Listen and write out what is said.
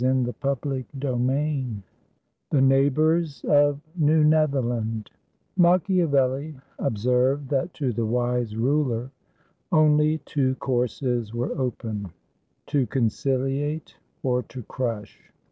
CHAPTER VII THE NEIGHBORS OF NEW NETHERLAND Machiavelli observed that to the wise ruler only two courses were open to conciliate or to crush.